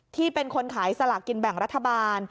ที่เป็นคนขายสลากกินแบ่งรัฐบาล